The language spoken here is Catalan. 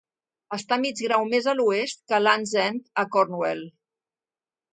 Està mig grau més a l'oest que Land's End a Cornwall.